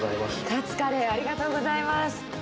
勝つカレーありがとうございます。